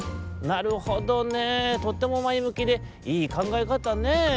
「なるほどねとってもまえむきでいいかんがえかたねぇ。